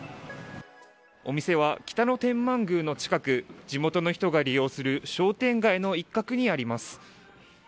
お店は北野天満宮の近く地元の人が利用する商店街の一角にあります。